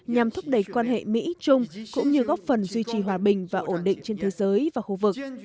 nhằm thúc đẩy quan hệ mỹ trung cũng như góp phần duy trì hòa bình và ổn định trên thế giới và khu vực